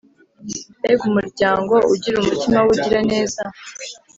Mbega umuryango ugira umutima wubugiraneza